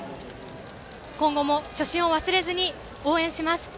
今後も初心を忘れずに応援します。